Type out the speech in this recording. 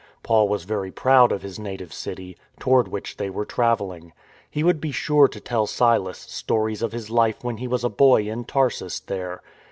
Paul was very proud of his native city, toward which they were travelling. He would be sure to tell Silas stories of his life when he was a boy in Tarsus there.